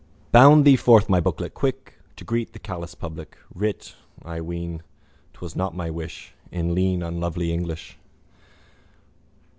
Bound thee forth, my booklet, quick To greet the callous public. Writ, I ween, 'twas not my wish In lean unlovely English.